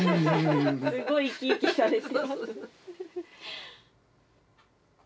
すごい生き生きされて。